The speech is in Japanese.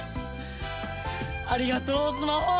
ありがとうスマホーン。